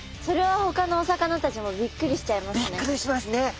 それはほかのお魚たちもびっくりしちゃいますね。